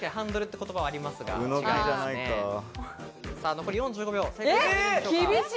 残り４５秒。